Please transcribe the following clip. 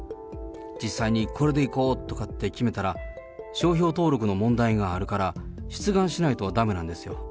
実際にこれでいこうとかって決めたら、商標登録の問題があるから、出願しないとだめなんですよ。